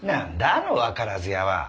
あのわからず屋は。